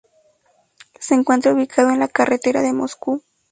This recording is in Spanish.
Se encuentra ubicado en la carretera de Moscú.